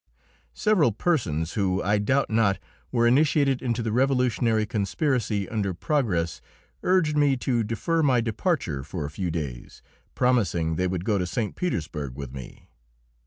] Several persons who, I doubt not, were initiated into the revolutionary conspiracy under progress urged me to defer my departure for a few days, promising they would go to St. Petersburg with me.